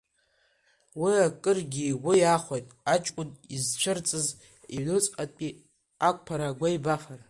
Уи акыргьы игәы иахәеит аҷкәын изцәырҵыз иҩнуҵҟатәи ақәԥара, агәеибафара.